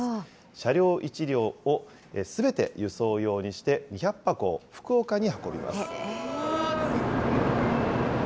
車両１両をすべて輸送用にして、２００箱を福岡に運びます。